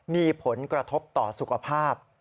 มีผลกระทบต่อสุขภาพ